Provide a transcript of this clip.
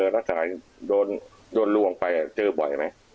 ลักษณะโดนล่วงไปเจอบ่อยไหม